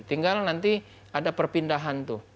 tinggal nanti ada perpindahan